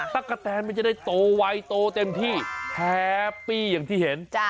ตะกะแตนมันจะได้โตไวโตเต็มที่แฮปปี้อย่างที่เห็น